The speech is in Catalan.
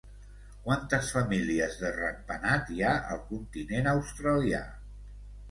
Quantes famílies de ratpenat hi ha al continent australià?